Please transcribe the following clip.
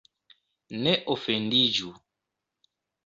Ne ofendiĝu!